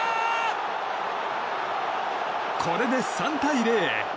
これで３対０。